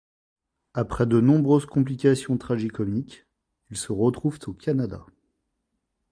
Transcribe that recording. Après de nombreuses complications tragi-comiques, ils se retrouvent au Canada.